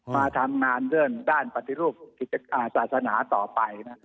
มาทำงานเรื่องด้านปฏิรูปศาสนาต่อไป